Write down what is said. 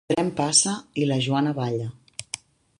El tren passa i la Joana balla.